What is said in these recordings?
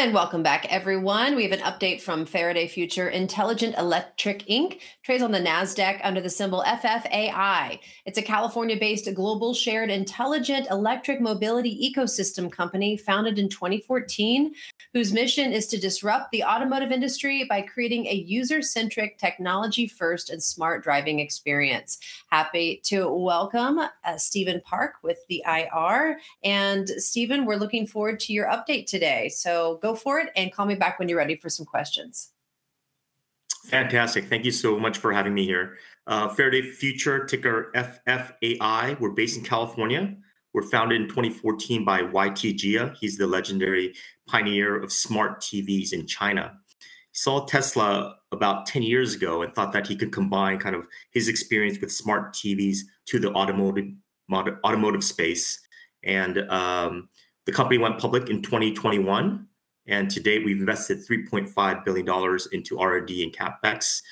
And welcome back, everyone. We have an update from Faraday Future Intelligent Electric Inc. Trades on the NASDAQ under the symbol FFAI. It's a California-based global shared intelligent electric mobility ecosystem company founded in 2014, whose mission is to disrupt the automotive industry by creating a user-centric, technology-first, and smart driving experience. Happy to welcome Steven Park with the IR. And Steven, we're looking forward to your update today. So go for it and call me back when you're ready for some questions. Fantastic. Thank you so much for having me here. Faraday Future, ticker FFAI. We're based in California. We're founded in 2014 by YT Jia. He's the legendary pioneer of smart TVs in China. He saw Tesla about 10 years ago and thought that he could combine kind of his experience with smart TVs to the automotive space. And the company went public in 2021. And today we've invested $3.5 billion into R&D and CapEx,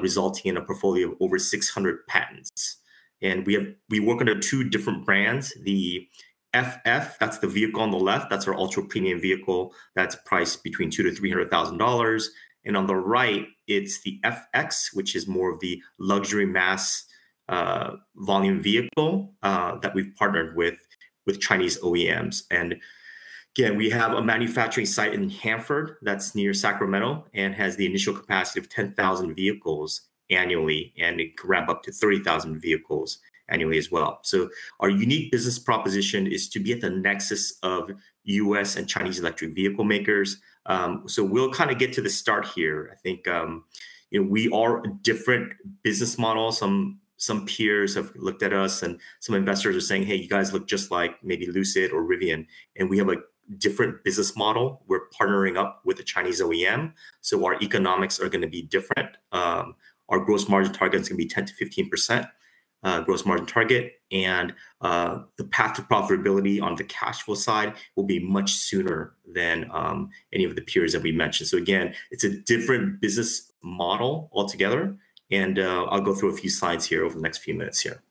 resulting in a portfolio of over 600 patents. And we work under two different brands. The FF, that's the vehicle on the left, that's our ultra-premium vehicle that's priced between $200,000-$300,000. And on the right, it's the FX, which is more of the luxury mass volume vehicle that we've partnered with Chinese OEMs. And again, we have a manufacturing site in Hanford that's near Sacramento and has the initial capacity of 10,000 vehicles annually, and it could ramp up to 30,000 vehicles annually as well. Our unique business proposition is to be at the nexus of U.S. and Chinese electric vehicle makers. We'll kind of get to the start here. I think we are a different business model. Some peers have looked at us, and some investors are saying, "hey, you guys look just like maybe Lucid or Rivian." We have a different business model. We're partnering up with a Chinese OEM. Our economics are going to be different. Our gross margin target is going to be 10%-15% gross margin target. The path to profitability on the cash flow side will be much sooner than any of the peers that we mentioned. So again, it's a different business model altogether. And I'll go through a few slides here over the next few minutes here.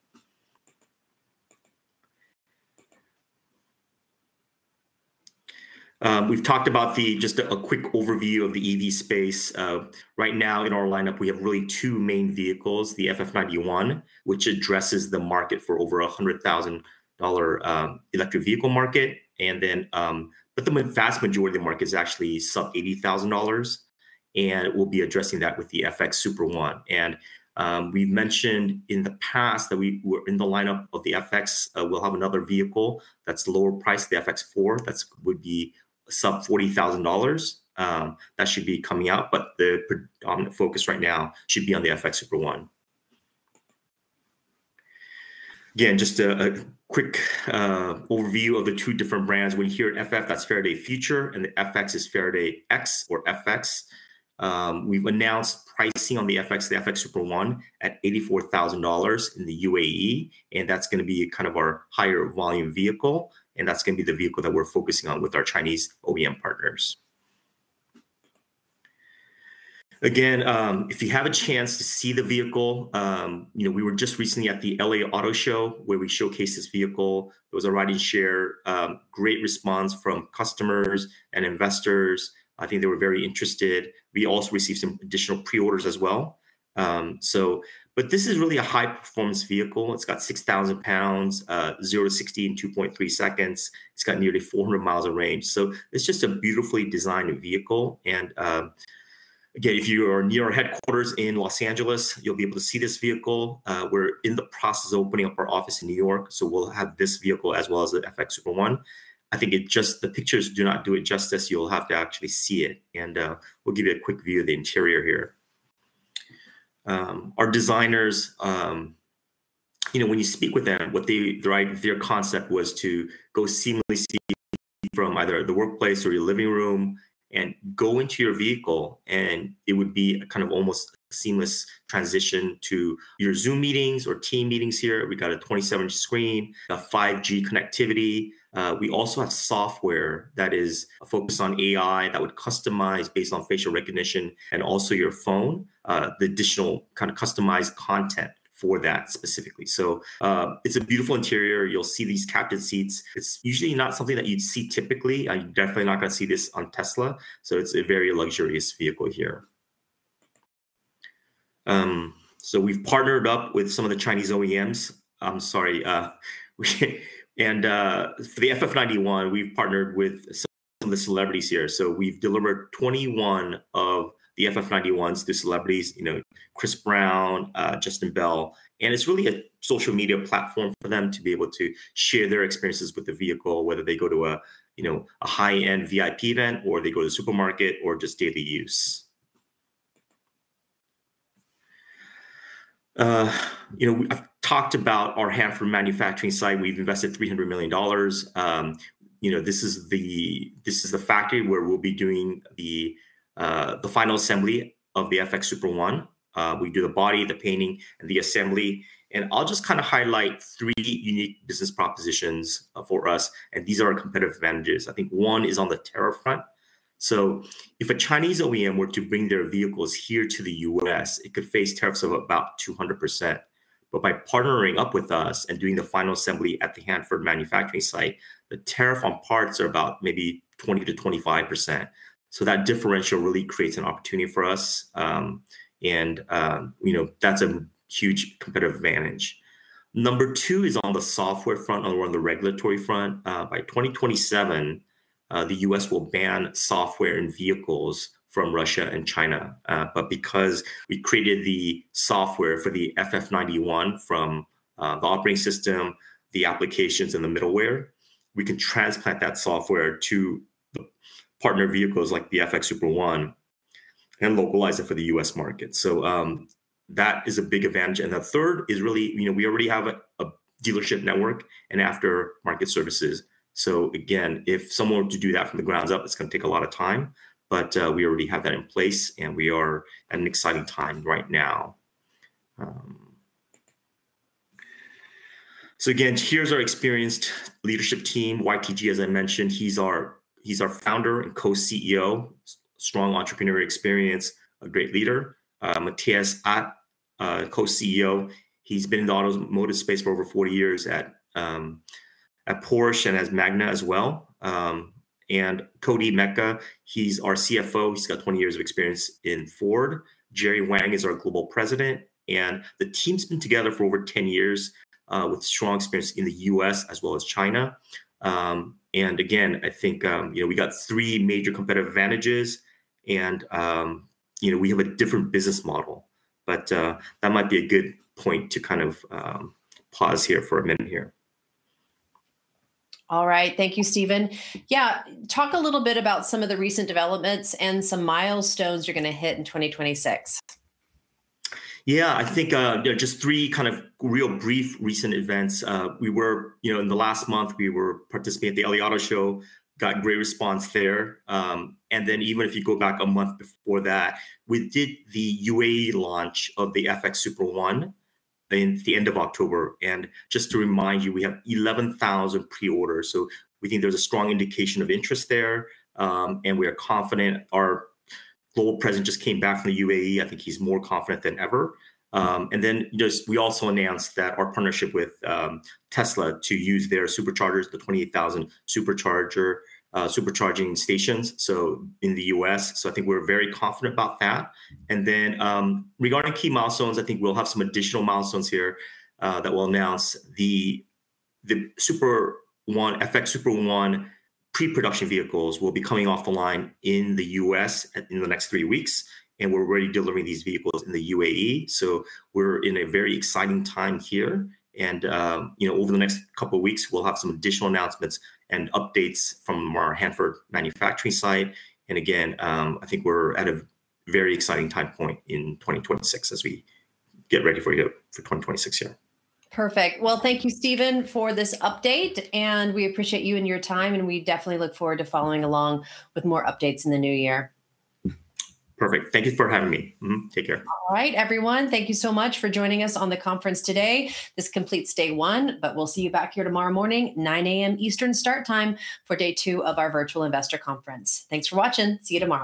We've talked about just a quick overview of the EV space. Right now in our lineup, we have really two main vehicles, the FF 91, which addresses the market for over $100,000 electric vehicle market. And then the vast majority of the market is actually sub $80,000. And we'll be addressing that with the FX Super One. And we've mentioned in the past that in the lineup of the FX, we'll have another vehicle that's lower priced, the FX4, that would be sub $40,000. That should be coming out. But the predominant focus right now should be on the FX Super One. Again, just a quick overview of the two different brands. When you hear FF, that's Faraday Future. And the FX is Faraday X or FX. We've announced pricing on the FX, the FX Super One, at $84,000 in the UAE. And that's going to be kind of our higher volume vehicle. And that's going to be the vehicle that we're focusing on with our Chinese OEM partners. Again, if you have a chance to see the vehicle, we were just recently at the LA Auto Show where we showcased this vehicle. It was a ride-and-share. Great response from customers and investors. I think they were very interested. We also received some additional pre-orders as well. But this is really a high-performance vehicle. It's got 6,000 pounds, 0 to 60 in 2.3 seconds. It's got nearly 400 miles of range. So it's just a beautifully designed vehicle. And again, if you are near our headquarters in Los Angeles, you'll be able to see this vehicle. We're in the process of opening up our office in New York. So we'll have this vehicle as well as the FX Super One. I think the pictures do not do it justice. You'll have to actually see it. And we'll give you a quick view of the interior here. Our designers, when you speak with them, their concept was to go seamlessly from either the workplace or your living room and go into your vehicle. And it would be kind of almost a seamless transition to your Zoom meetings or Teams meetings here. We've got a 27-inch screen, 5G connectivity. We also have software that is focused on AI that would customize based on facial recognition and also your phone, the additional kind of customized content for that specifically. So it's a beautiful interior. You'll see these captain seats. It's usually not something that you'd see typically. You're definitely not going to see this on Tesla, so it's a very luxurious vehicle here, so we've partnered up with some of the Chinese OEMs. I'm sorry, and for the FF 91, we've partnered with some of the celebrities here, so we've delivered 21 of the FF 91s to celebrities, Chris Brown, Justin Bell, and it's really a social media platform for them to be able to share their experiences with the vehicle, whether they go to a high-end VIP event or they go to the supermarket or just daily use. I've talked about our Hanford manufacturing site. We've invested $300 million. This is the factory where we'll be doing the final assembly of the FX Super One. We do the body, the painting, and the assembly, and I'll just kind of highlight three unique business propositions for us, and these are our competitive advantages. I think one is on the tariff front. So if a Chinese OEM were to bring their vehicles here to the U.S., it could face tariffs of about 200%. But by partnering up with us and doing the final assembly at the Hanford manufacturing site, the tariff on parts are about maybe 20%-25%. So that differential really creates an opportunity for us. And that's a huge competitive advantage. Number two is on the software front or on the regulatory front. By 2027, the U.S. will ban software and vehicles from Russia and China. But because we created the software for the FF 91 from the operating system, the applications, and the middleware, we can transplant that software to partner vehicles like the FX Super One and localize it for the U.S. market. So that is a big advantage. And the third is really we already have a dealership network and aftermarket services. So again, if someone were to do that from the ground up, it's going to take a lot of time. But we already have that in place. And we are at an exciting time right now. So again, here's our experienced leadership team. YT Jia, as I mentioned, he's our founder and co-CEO. Strong entrepreneurial experience, a great leader. Matthias Aydt, co-CEO. He's been in the automotive space for over 40 years at Porsche and has Magna as well. And Koti Meka, he's our CFO. He's got 20 years of experience in Ford. Jerry Wang is our global president. And the team's been together for over 10 years with strong experience in the U.S. as well as China. And again, I think we've got three major competitive advantages. And we have a different business model. but that might be a good point to kind of pause here for a minute here. All right. Thank you, Steven. Yeah, talk a little bit about some of the recent developments and some milestones you're going to hit in 2026. Yeah, I think just three kind of real brief recent events. In the last month, we were participating at the LA Auto Show, got great response there. And then even if you go back a month before that, we did the UAE launch of the FX Super One at the end of October. And just to remind you, we have 11,000 pre-orders. So we think there's a strong indication of interest there. And we are confident our global president just came back from the UAE. I think he's more confident than ever. And then we also announced that our partnership with Tesla to use their Superchargers, the 28,000 supercharging stations, so in the U.S. So I think we're very confident about that. And then regarding key milestones, I think we'll have some additional milestones here that we'll announce. The FX Super One pre-production vehicles will be coming off the line in the U.S. in the next three weeks. And we're already delivering these vehicles in the UAE. So we're in a very exciting time here. And over the next couple of weeks, we'll have some additional announcements and updates from our Hanford manufacturing site. And again, I think we're at a very exciting time point in 2026 as we get ready for 2026 here. Perfect. Well, thank you, Steven, for this update. And we appreciate you and your time. And we definitely look forward to following along with more updates in the new year. Perfect. Thank you for having me. Take care. All right, everyone. Thank you so much for joining us on the conference today. This completes day one, but we'll see you back here tomorrow morning, 9:00 A.M. Eastern start time for day two of our virtual investor conference. Thanks for watching. See you tomorrow.